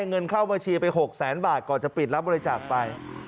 เงินเข้าบัญชีไป๖แสนบาทก่อนจะปิดรับบริจาคไป